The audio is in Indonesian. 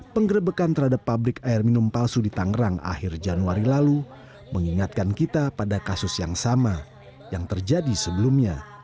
penggerbekan terhadap pabrik air minum palsu di tangerang akhir januari lalu mengingatkan kita pada kasus yang sama yang terjadi sebelumnya